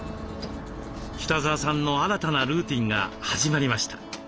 北澤さんの新たなルーティンが始まりました。